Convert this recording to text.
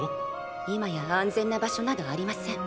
今や安全な場所などありません。